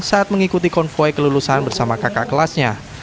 saat mengikuti konvoy kelulusan bersama kakak kelasnya